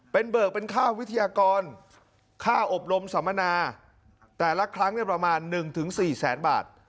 เป็นเบิกเป็นค่าวิทยากรค่าอบรมสัมมนาแต่ละครั้งประมาณ๑๔แสนบาท